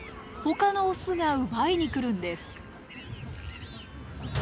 ほかのオスが奪いに来るんです。